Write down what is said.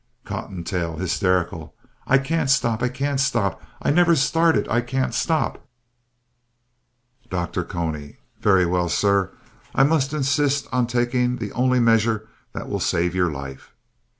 COTTONTAIL (hysterical) I can't stop, I can't stop; I never started, I can't stop DR. CONY Very well, sir, I must insist on taking the only measure that will save your life.